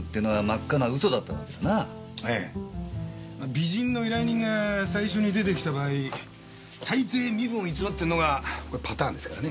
美人の依頼人が最初に出てきた場合大抵身分を偽ってるのがパターンですからね。